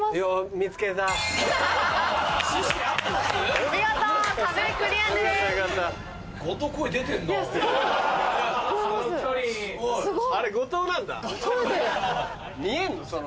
見えんの？